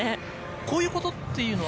こういうことというのは？